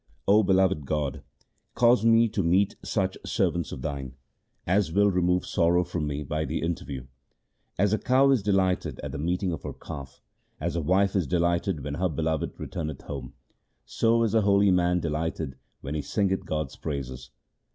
O beloved God, cause me to meet such servants of Thine As will remove sorrow from me by the interview. As a cow is delighted at the meeting of her calf, As a wife is delighted when her beloved returneth home, So is a holy man delighted when he singeth God's praises.